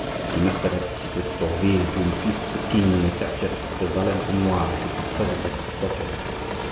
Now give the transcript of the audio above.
He must have had secrets to reveal to induce the king and the Duchesse de Valentinois to be present at his torture."